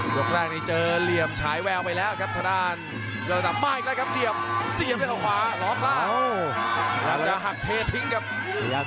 คืนบนนี้ไม่มีทัศน์นัดนะครับต้องล้ดร่าง